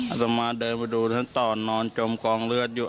ตมาเดินมาดูท่านต่อนอนจมกองเลือดอยู่